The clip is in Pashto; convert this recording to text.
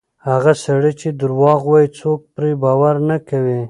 هغه سړی چې درواغ وایي، څوک پرې باور نه کوي.